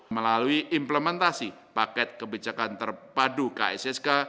melalui implementasi paket kebijakan terpadu kssk